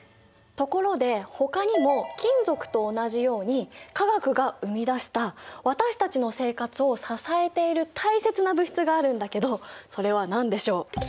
ところでほかにも金属と同じように化学が生み出した私たちの生活を支えている大切な物質があるんだけどそれは何でしょう？